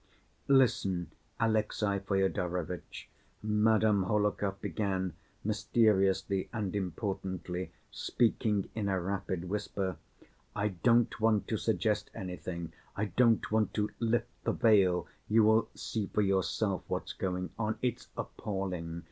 Listen, Alexey Fyodorovitch," Madame Hohlakov began mysteriously and importantly, speaking in a rapid whisper. "I don't want to suggest anything, I don't want to lift the veil, you will see for yourself what's going on. It's appalling.